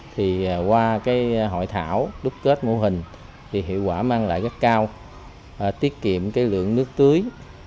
thì qua cái hội thảo đúc kết mô hình thì hiệu quả mang lại rất cao tiết kiệm cái lượng nước tưới